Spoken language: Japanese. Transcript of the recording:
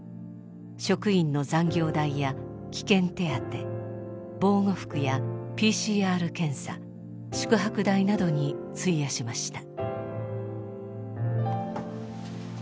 職員の残業代や危険手当防護服やＰＣＲ検査宿泊代などに費やしました。